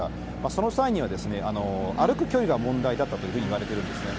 その際には、歩く距離が問題だったというふうにいわれているんですね。